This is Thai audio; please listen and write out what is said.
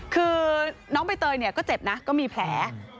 คือน้องใบเตยเนี่ยก็เจ็บนะก็มีแผล